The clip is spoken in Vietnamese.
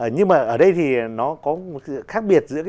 nhưng mà ở đây thì nó có một sự khác biệt